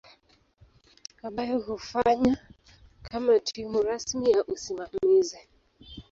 ambayo hufanya kama timu rasmi ya usimamizi.